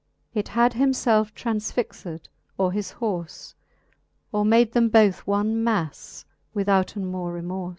It had himfelfe transfixed, or his horfe, Or made them both one maffe withouten more remorfe.